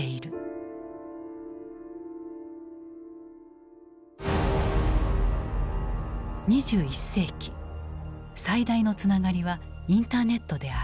最大のつながりはインターネットである。